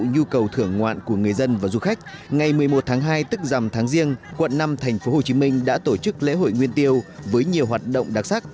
nhu cầu thưởng ngoạn của người dân và du khách ngày một mươi một tháng hai tức dầm tháng riêng quận năm tp hcm đã tổ chức lễ hội nguyên tiêu với nhiều hoạt động đặc sắc